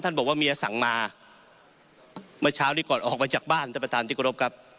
บอกว่าเมียสั่งมาเมื่อเช้านี้ก่อนออกมาจากบ้านท่านประธานที่กรบครับ